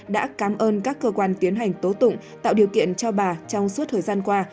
đã cảm ơn các cơ quan tiến hành tố tụng tạo điều kiện cho bà trong suốt thời gian qua